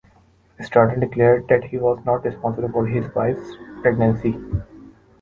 Stratton declared that he was not responsible for his wife's pregnancy.